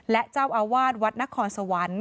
และเจ้าอาวาสวัดนครสวรรค์